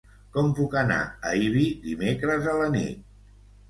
Com puc anar a Ibi dimecres a la nit?